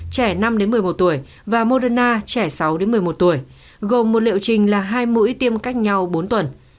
trẻ năm một mươi một tuổi và moderna trẻ sáu một mươi một tuổi gồm một liệu trình là hai mũi tiêm cách nhau bốn tuần